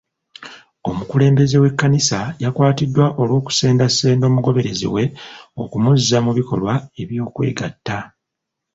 Omukulembeze w'ekkanisa yakwatiddwa olw'okusendasenda omugoberezi we okumuzza mu bikolwa eby'okwegatta.